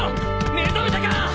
目覚めたか！